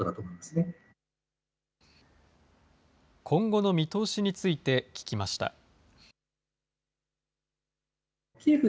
今後の見通しについて聞きました。